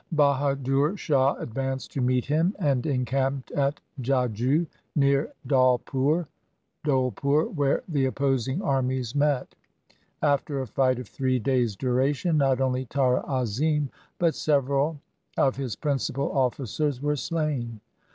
Bahadur Shah advanced to meet him and encamped at Jaju near Dhaulpur (Dholpur) where the opposing armies met. 1 After a fight of three days' duration, not only Tara Azim, but several of his principal officers were slain.